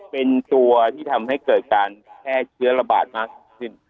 เป็นตัวที่ทำให้เกิดการแพร่เชื้อระบาดมากขึ้น